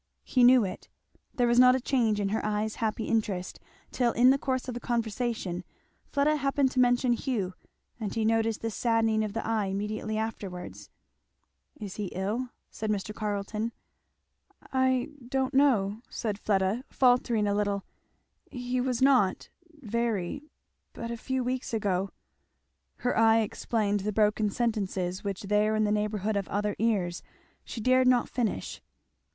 He knew it. There was not a change in her eye's happy interest, till in the course of the conversation Fleda happened to mention Hugh, and he noticed the saddening of the eye immediately afterwards. "Is he ill?" said Mr. Carleton. "I don't know," said Fleda faltering a little, "he was not very, but a few weeks ago " Her eye explained the broken sentences which there in the neighbourhood of other ears she dared not finish.